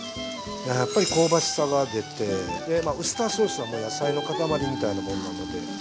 やっぱり香ばしさが出てウスターソースはもう野菜の塊みたいなものなので。